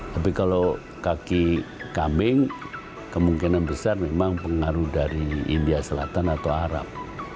tapi kalau kaki kambing kemungkinan besar memang pengaruh dari india selatan atau arab